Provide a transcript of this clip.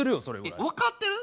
え分かってる？